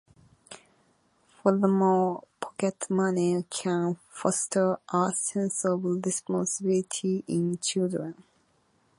Furthermore, pocket money can foster a sense of responsibility in children.